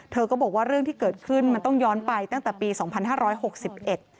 เธอก็บอกว่าเรื่องที่เกิดขึ้นมันต้องย้อนไปตั้งแต่ปีสองพันห้าร้อยหกสิบเอ็ด